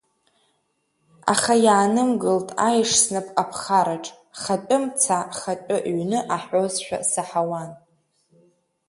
Аха иаанымгылт аеш снап аԥхараҿ, хатәы мца, хатәы ҩны, аҳәозшәа саҳауан!